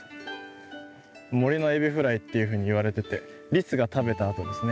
森のエビフライっていうふうにいわれててリスが食べたあとですね。